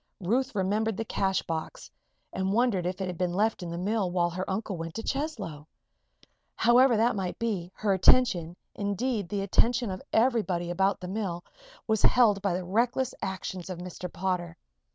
Ruth remembered the cash box and wondered if it had been left in the mill while her uncle went to Cheslow? However that might be, her attention indeed, the attention of everybody about the mill was held by the reckless actions of Mr. Potter.